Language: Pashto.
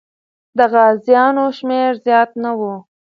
د غازیانو شمېر زیات نه و.